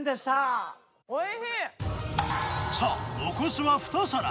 さあ残すは２皿。